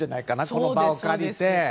この場を借りて。